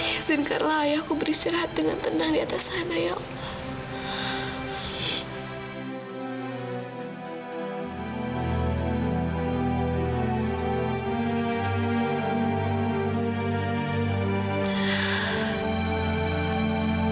izinkanlah ayahku beristirahat dengan tenang di atas sana ya allah